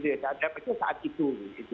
tidak ada itu saat itu